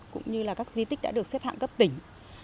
cũng như là các di tích đã được xếp hạng cấp tỉnh